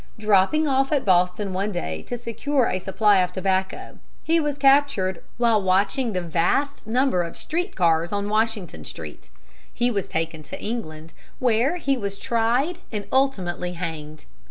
] Dropping off at Boston one day to secure a supply of tobacco, he was captured while watching the vast number of street cars on Washington Street. He was taken to England, where he was tried and ultimately hanged.